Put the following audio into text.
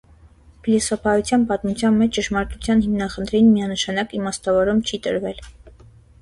Փիլիսոփայության պատմության մեջ ճշմարտության հիմնախնդրին միանշանակ իմաստավորում չի տրվել։